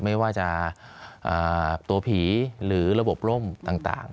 ไม่ว่าจะตัวผีหรือระบบร่มต่าง